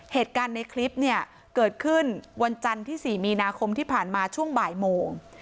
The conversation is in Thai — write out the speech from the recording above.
เหตุการณ์ในคลิปเนี่ยเกิดขึ้นวันจันทร์ที่๔มีนาคมที่ผ่านมาช่วงบ่ายโมง